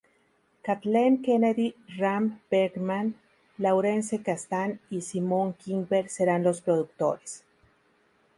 Kathleen Kennedy, Ram Bergman, Lawrence Kasdan y Simon Kinberg serán los productores.